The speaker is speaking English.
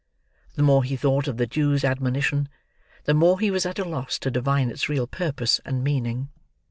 The more he thought of the Jew's admonition, the more he was at a loss to divine its real purpose and meaning.